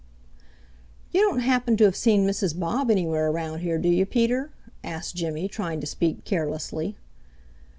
"You don't happen to have seen Mrs. Bob anywhere around here, do you, Peter?" asked Jimmy, trying to speak carelessly.